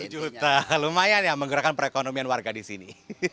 dua juta lumayan ya menggerakkan perekonomian warga di sini